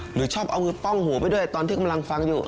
หรือชอบเอามือป้องหูไปด้วยตอนที่กำลังฟังอยู่